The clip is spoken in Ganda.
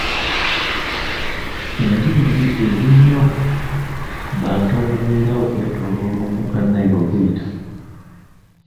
Endya embi eri nnyo bantu ababeera okwetooloola omugga Nile weguyita.